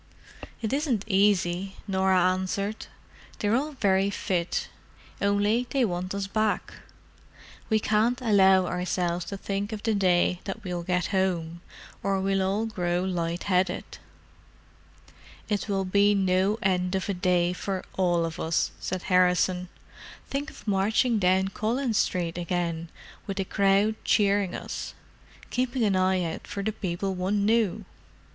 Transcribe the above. "It isn't easy," Norah answered. "They're all very fit, only they want us back. We can't allow ourselves to think of the day that we'll get home, or we all grow light headed." "It will be no end of a day for all of us," said Harrison. "Think of marching down Collins Street again, with the crowd cheering us—keeping an eye out for the people one knew!